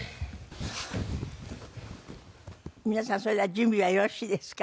皆さんそれでは準備はよろしいですか？